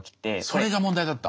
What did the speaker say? それが問題だった。